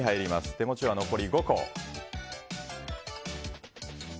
手持ちは残り５個。